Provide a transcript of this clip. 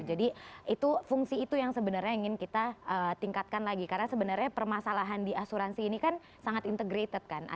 jadi itu fungsi itu yang sebenarnya ingin kita tingkatkan lagi karena sebenarnya permasalahan di asuransi ini kan sangat integrated kan